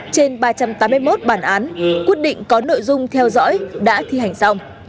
hai trăm bảy mươi sáu trên ba trăm tám mươi một bản án quyết định có nội dung theo dõi đã thi hành xong